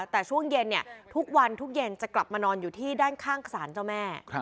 แต่ช่วงเย็นทุกวันทุกเย็นจะกลับมานอนอยู่ที่ด้านข้างศาลเจ้าแม่